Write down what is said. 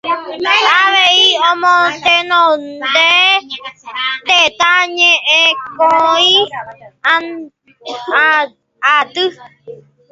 Avei omotenondékuri Tetã Ñe'ẽkõi Aty